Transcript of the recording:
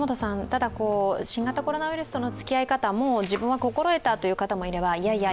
ただ、新型コロナウイルスとのつきあい方、もう自分は心得たという方もいやいや